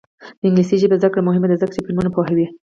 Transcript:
د انګلیسي ژبې زده کړه مهمه ده ځکه چې فلمونه پوهوي.